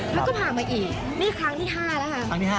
แล้วก็พามาอีกนี่ครั้งที่๕แล้วค่ะ